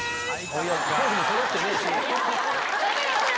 ポーズもそろってねえし。